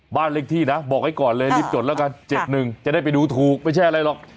บ้านเลขที่นะบอกไว้ก่อนเลยรีบจดแล้วกัน๗๑จะได้ไปดูถูกไม่ใช่อะไรหรอก